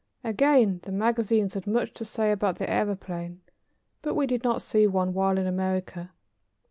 Again the magazines had much to say about the aëroplane, but we did not see one while in America.